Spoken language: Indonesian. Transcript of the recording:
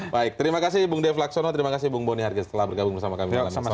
baik terima kasih bung dev laksono terima kasih bung boni harga telah bergabung bersama kami malam ini